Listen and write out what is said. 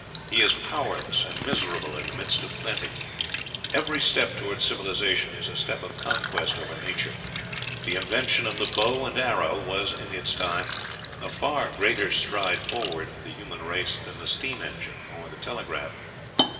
He is powerless and miserable in the midst of plenty. Every step toward civilization is a step of conquest over nature. The invention of the bow and arrow was, in its time, a far greater stride forward for the human race than the steam engine or the telegraph.